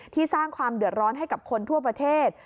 สร้างความเดือดร้อนให้กับคนทั่วประเทศ